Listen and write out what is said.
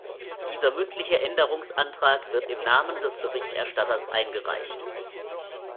Dieser mündliche Änderungsantrag wird im Namen des Berichterstatters eingereicht.